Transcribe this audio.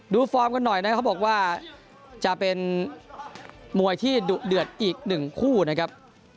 ฟอร์มกันหน่อยนะครับเขาบอกว่าจะเป็นมวยที่ดุเดือดอีกหนึ่งคู่นะครับ